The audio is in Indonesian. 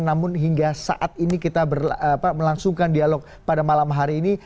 namun hingga saat ini kita melangsungkan dialog pada malam hari ini